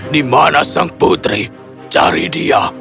dimana sang putri cari dia